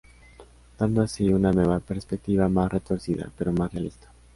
Dando así una nueva perspectiva más retorcida, pero más realista.